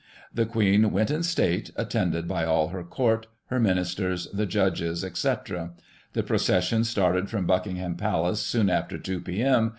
The Queen went in State, at tended by all her Court, her Ministers, the Judges, etc. The procession started from Buckingham Palace soon after 2 p.m.